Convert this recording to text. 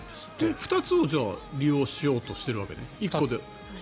２つを利用しようとしているわけね。